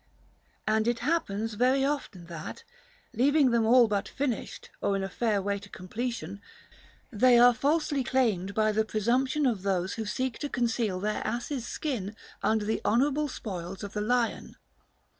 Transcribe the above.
And it happens very often that, leaving them all but finished or in a fair way to completion, they are falsely claimed by the presumption of those who seek to conceal their asses' skin under the honourable spoils of the lion.